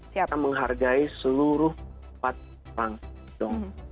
kita menghargai seluruh empat orang dong